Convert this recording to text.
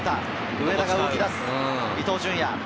上田が動きだす伊東純也。